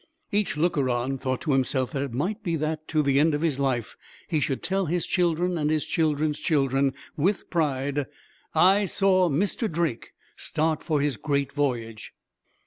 Each looker on thought to himself that it might be that, to the end of his life, he should tell his children and his children's children, with pride, "I saw Mr. Drake start for his great voyage."